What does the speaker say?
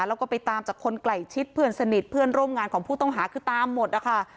แล้วก็ไปตามจากคนใกล้ชิดเพื่อนสนิทเพื่อนร่วมงานของผู้ต้องหาคือตามหมดนะคะ